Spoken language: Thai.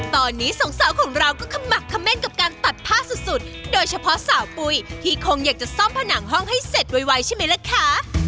ตอนนี้สองสาวของเราก็ขมักเม่นกับการตัดผ้าสุดโดยเฉพาะสาวปุ๋ยที่คงอยากจะซ่อมผนังห้องให้เสร็จไวใช่ไหมล่ะคะ